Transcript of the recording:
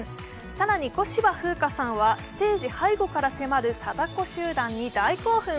更に小芝風花さんはステージ背後から迫る貞子軍団に大興奮。